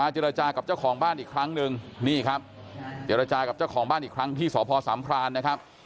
เจรจากับเจ้าของบ้านอีกครั้งที่สภสามพรานนะครับ